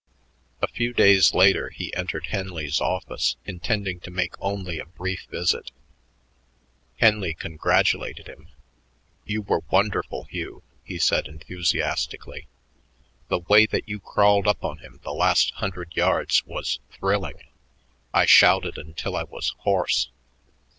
A few days later he entered Henley's office, intending to make only a brief visit. Henley congratulated him. "You were wonderful, Hugh," he said enthusiastically. "The way that you crawled up on him the last hundred yards was thrilling. I shouted until I was hoarse.